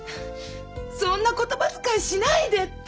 そんな言葉遣いしないでって！